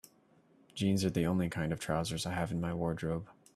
Jeans are the only kind of trousers I have in my wardrobe.